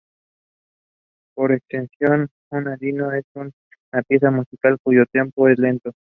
Por extensión, un "adagio" es una pieza musical cuyo tempo es lento.